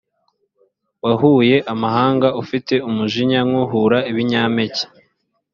wahuye amahanga ufite umujinya nk’uhura ibinyampeke